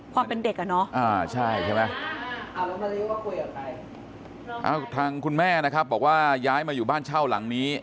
ความเป็นเด็กอ่ะเนอะอ่าใช่ใช่ไหมทางคุณแม่นะครับบอกว่าย้ายมาอยู่บ้านเช่าหลังนี้